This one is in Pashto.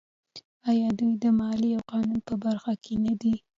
آیا دوی د مالیې او قانون په برخه کې نه دي؟